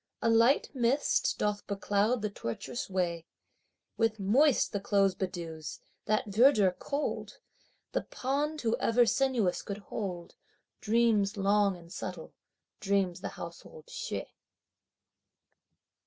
A light mist doth becloud the tortuous way! With moist the clothes bedews, that verdure cold! The pond who ever sinuous could hold? Dreams long and subtle, dream the household Hsieh.